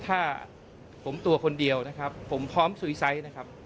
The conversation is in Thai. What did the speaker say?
ถ้าผมตัวคนเดียวนะครับผมพร้อมซุยไซส์นะครับ